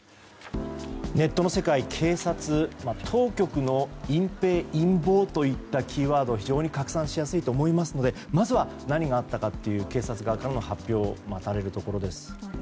ネットの世界警察当局の隠ぺい陰謀といったキーワードが非常に拡散しやすいと思いますのでまずは何があったかという警察側からの発表が待たれるところです。